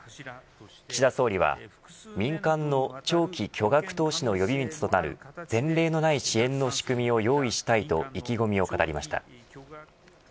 岸田総理は民間の長期巨額投資の呼び水となる前例のない支援の仕組みを用意したいと意気込みを語りました。